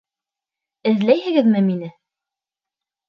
Эҙләйһегеҙме мине?